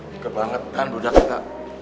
deket banget kan dudak kita